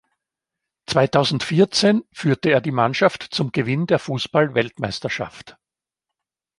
Zweitausendvierzehn führte er die Mannschaft zum Gewinn der Fußball-Weltmeisterschaft.